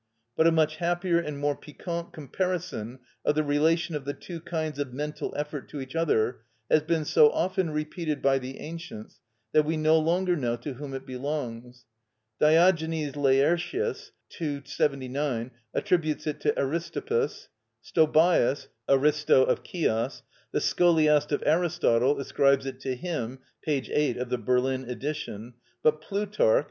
But a much happier and more piquant comparison of the relation of the two kinds of mental effort to each other has been so often repeated by the ancients that we no longer know to whom it belongs. Diogenes Laertius (ii. 79) attributes it to Aristippus, Stobæus (Floril., tit. iv. 110) to Aristo of Chios; the Scholiast of Aristotle ascribes it to him (p. 8 of the Berlin edition), but Plutarch (_De Puer.